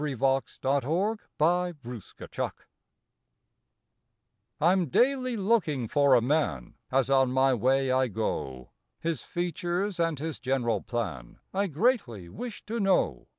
March Eighth A LONG QUEST I M daily looking for a man As on my way I go His features and his general plan I greatly wish to know.